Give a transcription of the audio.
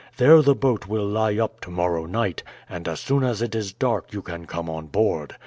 There the boat will lie up to morrow night, and as soon as it is dark you can come on board.